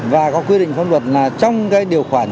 và có quy định pháp luật là trong cái điều khoản